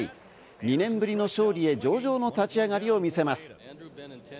２年ぶりの勝利へ上々の立ち上がりを見せます。